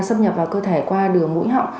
xâm nhập vào cơ thể qua đường mũi họng